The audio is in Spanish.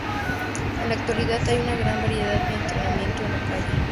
En la actualidad hay una gran variedad de entretenimiento en la calle.